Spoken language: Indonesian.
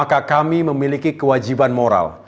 ketika perhatian publik ini memiliki kewajiban moral